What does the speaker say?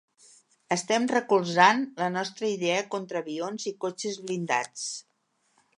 Estem recolzant la nostra idea contra avions i cotxes blindats.